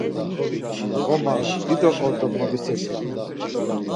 Ğoma dido ordo moviseli.